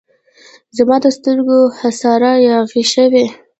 زما د سترګو د حصاره یاغي شوی